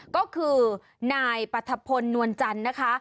ก็คือนายปรัฐพลนวลจันทร์นะคะ